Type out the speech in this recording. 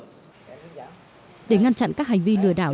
để ngăn chặn các hành vi lừa đảo liên quan đến các hành vi lừa đảo